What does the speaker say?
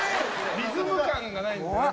「リズム感がないんだよね」